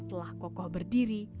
telah kokoh berdiri